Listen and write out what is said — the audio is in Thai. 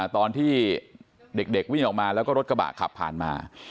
ตอนที่เด็กวิ่งออกมาแล้วก็รถกระบะขับผ่านมา